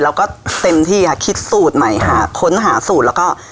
เราก็เต็มที่ค่ะคิดสูตรใหม่หาค้นหาสูตรแล้วก็